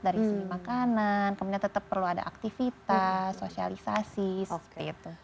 dari segi makanan kemudian tetap perlu ada aktivitas sosialisasi seperti itu